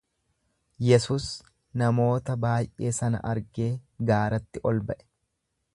Yesus namoota baay'ee sana argee gaaratti ol ba'e;